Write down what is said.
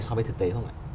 so với thực tế không ạ